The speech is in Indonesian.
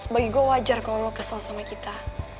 bagi gue wajar kalau lo kesel sama kita